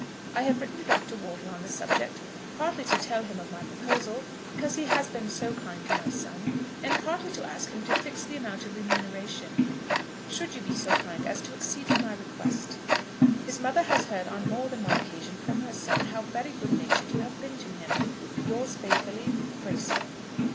I have written to Dr. Wortle on the subject, partly to tell him of my proposal, because he has been so kind to my son, and partly to ask him to fix the amount of remuneration, should you be so kind as to accede to my request. "His mother has heard on more than one occasion from her son how very good natured you have been to him. Yours faithfully, "BRACY."